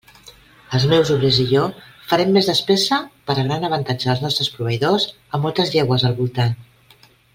Els meus obrers i jo farem més despesa per a gran avantatge dels nostres proveïdors a moltes llegües al voltant.